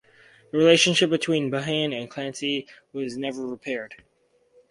The relationship between Behan and Clancy was never repaired.